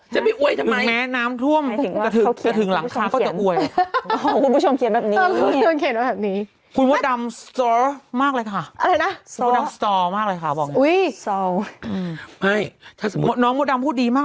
จะไม่อวยใช่ไหม